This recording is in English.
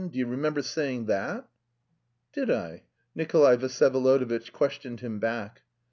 Do you remember saying that?" "Did I?" Nikolay Vsyevolodovitch questioned him back.